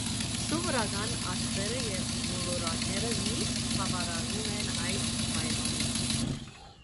Սովորական աստղերը և մոլորակները միշտ բավարարում են այս պայմանին։